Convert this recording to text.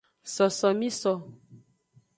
Sosomiso.